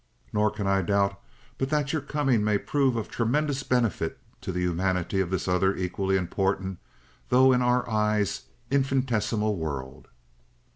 Nor can I doubt but that your coming may prove of tremendous benefit to the humanity of this other equally important, though, in our eyes, infinitesimal world.